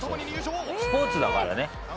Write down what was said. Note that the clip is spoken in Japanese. スポーツだからね。